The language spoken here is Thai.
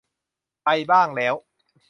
ไปบ้างแล้ว